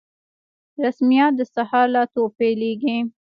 رسميات د سهار له اتو پیلیږي